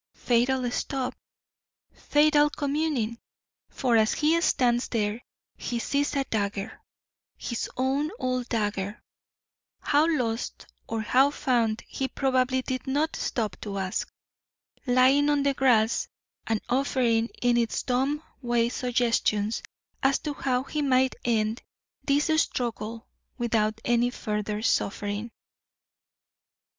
Fatal stop! fatal communing! for as he stands there he sees a dagger, his own old dagger, how lost or how found he probably did not stop to ask, lying on the grass and offering in its dumb way suggestions as to how he might end this struggle without any further suffering.